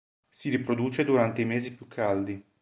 Si riproduce durante i mesi più caldi.